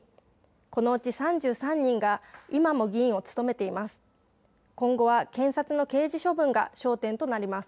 このうち３３人が今も議員を務めています。